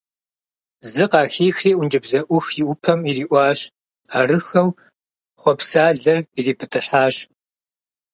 Зы къахихри ӀункӀыбзэӀух иӀупӀэм ириӀуащ, арыххэу… хъуэпсалэр ирипӀытӀыхьащ.